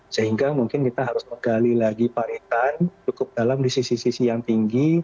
sehingga mungkin kita harus menggali lagi paritan cukup dalam di sisi sisi yang tinggi